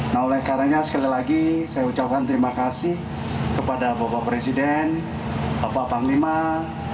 nah oleh karanya sekali lagi saya ucapkan terima kasih kepada bapak presiden bapak panglima bapak ksar yang secara intensif selalu mendiskusikan